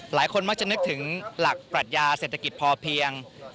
หลายคนมักจะนึกถึงหลักปรัชญาเศรษฐกิจพอเพียง